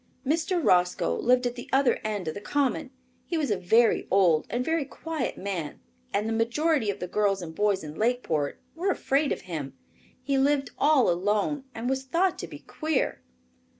Mr. Roscoe lived at the other end of the common. He was a very old and very quiet man, and the majority of the girls and boys in Lakeport were afraid of him. He lived all alone and was thought to be queer.